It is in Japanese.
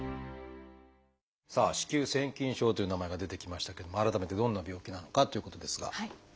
さあ「子宮腺筋症」という名前が出てきましたけども改めてどんな病気なのかっていうことですが。